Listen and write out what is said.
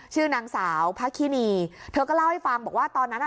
ชื่อนางสาวพระคินีเธอก็เล่าให้ฟังบอกว่าตอนนั้นอ่ะ